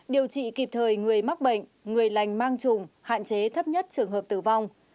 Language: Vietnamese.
điều trị kịp thời người mắc bệnh người lành mang trùng hạn chế thấp nhất trường hợp tử vong